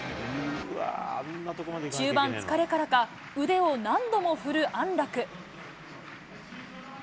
中盤、疲れからか、腕を何度も振る安楽。